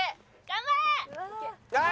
頑張れ！